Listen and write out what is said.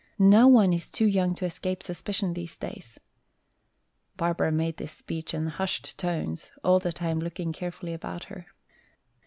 No one is too young to escape suspicion these days!" Barbara made this speech in hushed tones all the time looking carefully about her.